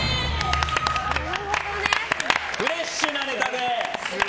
フレッシュなネタで。